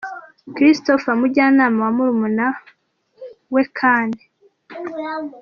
Christopher umujyanama wa murumuna we Kane.